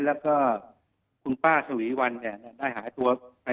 แล้วก็คุณป้าฉวีวัลได้หายตัวมา